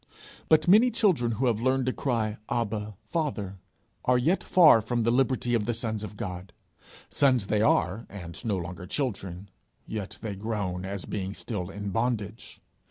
But many children who have learned to cry Abba, Father, are yet far from the liberty of the sons of God. Sons they are and no longer children, yet they groan as being still in bondage!